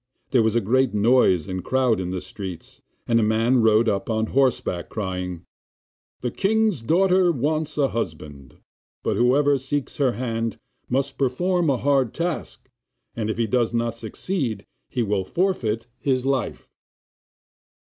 There was a great noise and crowd in the streets, and a man rode up on horseback, crying aloud: 'The king's daughter wants a husband; but whoever seeks her hand must perform a hard task, and if he does not succeed he will forfeit his life.